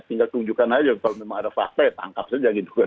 tinggal tunjukkan aja kalau memang ada fakta ya tangkap saja gitu kan